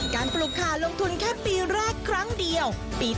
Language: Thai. ปลูกคาลงทุนแค่ปีแรกครั้งเดียว